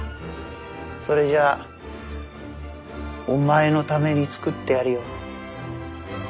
それじゃあお前のために作ってやるよ。